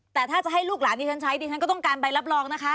แต่ถ้าจะให้ลูกหลานที่ฉันใช้ดิฉันก็ต้องการใบรับรองนะคะ